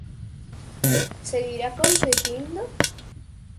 Seguirá competindo?